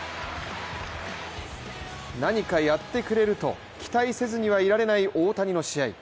何かやってくれると期待せずにはいられない大谷の試合。